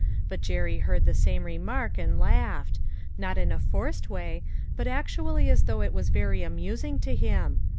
But Jerry heard the same remark, and laughed ; not in a forced way, but actually as though it was very amusing to him.